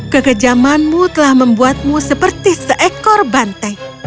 kegejamanmu telah membuatmu seperti seekor bantai